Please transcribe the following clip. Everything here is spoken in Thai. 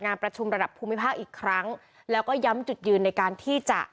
ประชุมระดับภูมิภาคอีกครั้งแล้วก็ย้ำจุดยืนในการที่จะ